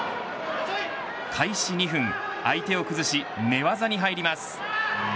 開始２分、相手を崩し寝技に入ります。